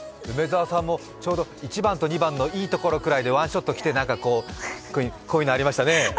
梅澤さんもちょうど１番と２番のいいところぐらいでワンショットきて、なんか、こういうのありましたね。